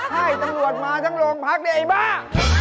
ใช่ตำรวจมาทั้งโรงพักเนี่ยไอ้บ้า